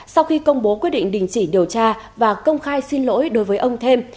sau khi công bố quyết định đình chỉ điều tra và công khai xin lỗi đối với ông thêm